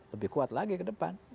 lebih kuat lagi ke depan